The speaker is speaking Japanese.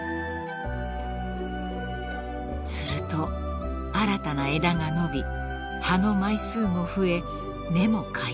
［すると新たな枝が伸び葉の枚数も増え根も回復］